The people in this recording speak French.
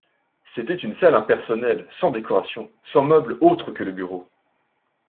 C’était une salle impersonnelle, sans décoration, sans meuble autre que le bureau